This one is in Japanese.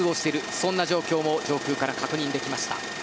そんな状況も上空から確認できました。